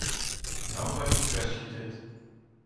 Nobody questioned it.